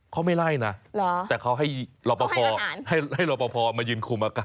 เขาไม่ไล่นะแต่เขาให้รอบพ่อให้รอบพ่อมายืนคุม